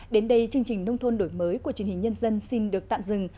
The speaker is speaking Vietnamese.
đến đây chương trình nông thôn đổi mới của truyền hình nhân dân xin được tạm dừng